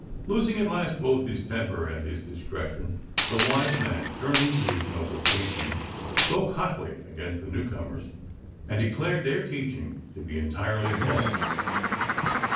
Losing at last both his temper and his discretion, the " Wise Man," turning to his noble patron, spoke hotly against the newcomers and declared their teaching to be entirely false.